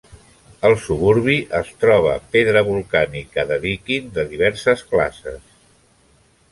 Al suburbi es troba pedra volcànica de Deakin de diverses classes.